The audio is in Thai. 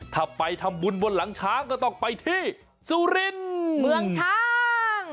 ถ้าไปทำบุญบนหลังช้างก็ต้องไปที่สุรินทร์เมืองช้าง